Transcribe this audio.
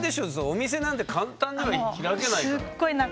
お店なんて簡単には開けないから。